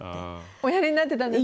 おやりになってたんですか？